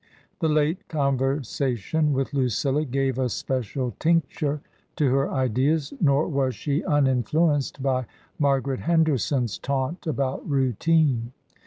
The late conversation with Lucilla gave a special tincture to her ideas, nor was she uninfluenced by Margaret Henderson's taunt about routine.